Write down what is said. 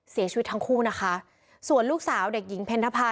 เสียชีวิตทั้งคู่นะคะส่วนลูกสาวเด็กหญิงเพ็ญทภา